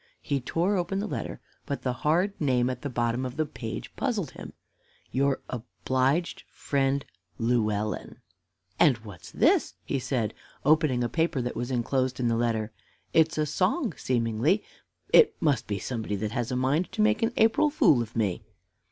He tore open the letter, but the hard name at the bottom of the page puzzled him "your obliged friend, Llewellyn." "And what's this?" he said, opening a paper that was enclosed in the letter. "It's a song, seemingly; it must be somebody that has a mind to make an April fool of me."